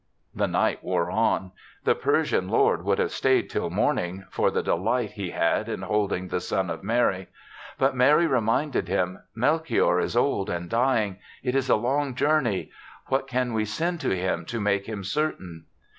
The night wore on. The Persian lord would have stayed till morning for the delight he had in holding the son of Mary. But Mary reminded him, " Melchior is old and dying. It is a long journey. What can we send to him to make him certain?'